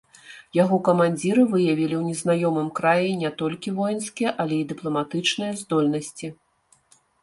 Яго камандзіры выявілі ў незнаёмым краі не толькі воінскія, але і дыпламатычныя здольнасці.